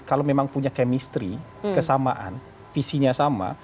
kalau memang punya chemistry kesamaan visinya sama